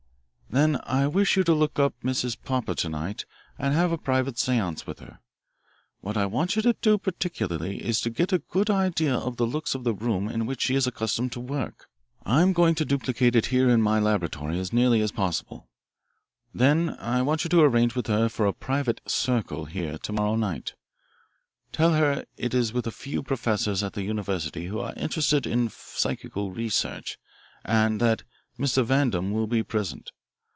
"Then, I wish you would look up Mrs. Popper to night and have a private seance with her. What I want you to do particularly is to get a good idea of the looks of the room in which she is accustomed to work. I'm going to duplicate it here in my laboratory as nearly as possible. Then I want you to arrange with her for a private 'circle' here to morrow night. Tell her it is with a few professors at the university who are interested in psychical research and that Mr. Vandam will be present.